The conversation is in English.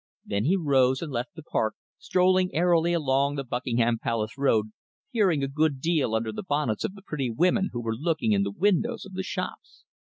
Then he rose and left the park, strolling airily along the Buckingham Palace Road, peering a good deal under the bonnets of the pretty women who were looking in the windows of the shops.